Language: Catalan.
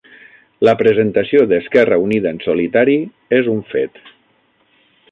La presentació d'Esquerra Unida en solitari és un fet